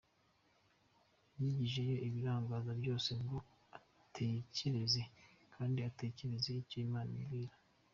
Yigijeyo ibirangaza byose ngo atekereze kandi ategereze icyo Imana imubwira.